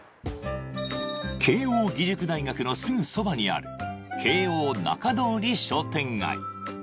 慶応義塾大学のすぐそばにある慶応仲通り商店街